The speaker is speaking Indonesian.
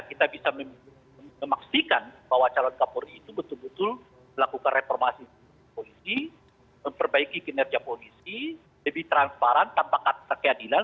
kita bisa memastikan bahwa calon kapolri itu betul betul melakukan reformasi polisi memperbaiki kinerja polisi lebih transparan tanpa keadilan